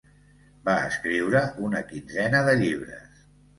Va escriure una quinzena de llibres.